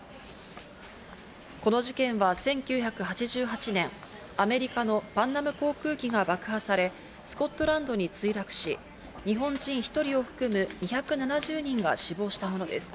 この事件は１９８８年、アメリカのパンナム航空機が爆破され、スコットランドに墜落し、日本人１人を含む２７０人が死亡したものです。